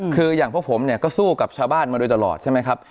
คืออย่างพวกผมเนี่ยก็สู้กับชาวบ้านมาโดยตลอดใช่ไหมครับ